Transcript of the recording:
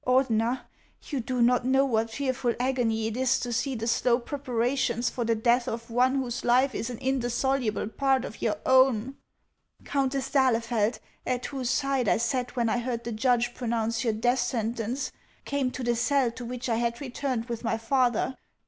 Ordener, you do not know what fearful agony it is to see the slow preparations for the death of one whose life is an indissoluble part of your own ! Countess d'Ahlefeld, at whose side I sat when I heard the judge pronounce your death sentence, came to the cell to which I had returned with my lather.